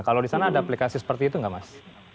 kalau di sana ada aplikasi seperti itu nggak mas